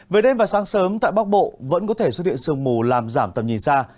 về đêm và sáng sớm tại bắc bộ vẫn có thể xuất hiện sương mù làm giảm tầm nhìn xa